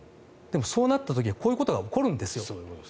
でもそうなった時はこういうことが起こるんです。